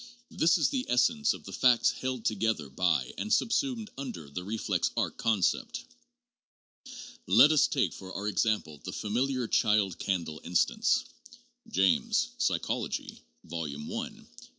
This is the essence of the facts held together by and subsumed under the reflex arc con cept. Let us take, for our example, the familiar child candle instance. (James, Psychology, Vol. I, p.